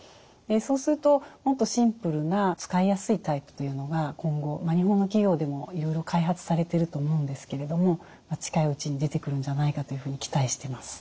そうするともっとシンプルな使いやすいタイプというのが今後日本の企業でもいろいろ開発されてると思うんですけれども近いうちに出てくるんじゃないかというふうに期待してます。